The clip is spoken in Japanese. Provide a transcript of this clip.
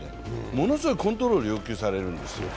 ものすごいコントロールを要求されるんですよ。